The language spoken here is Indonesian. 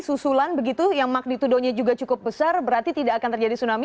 susulan begitu yang magnitudonya juga cukup besar berarti tidak akan terjadi tsunami